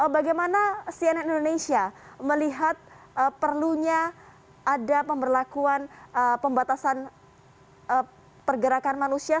bagaimana cnn indonesia melihat perlunya ada pemberlakuan pembatasan pergerakan manusia